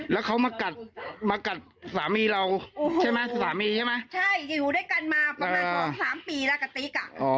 แล้วเขามากัดมากัดสามีเราใช่ไหมสามีใช่ไหมใช่อยู่ด้วยกันมาประมาณสองสามปีแล้วกับติ๊กอ่ะ